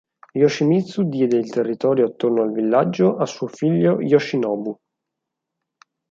Yoshimitsu diede il territorio attorno al villaggio a suo figlio Yoshinobu.